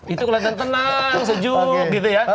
itu kelihatan tenang sejuk gitu ya